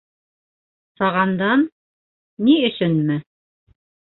Сағандан... ни өсөнмө?